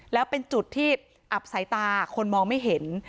แล้วเป็นจุดที่อับสายตาคนมองไม่เห็น